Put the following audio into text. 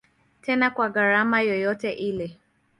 Tena kwa gharama yoyote ile.